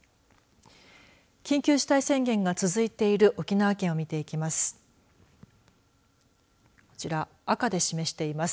緊急事態宣言が続いている沖縄県を見ていきます。